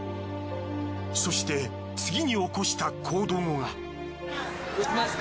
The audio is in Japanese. そして次に起こした行動が。